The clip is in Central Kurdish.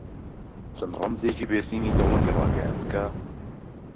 چەند ڕەمزێکی بێسیمی دەوڵەتی ڕاگەیاند کە: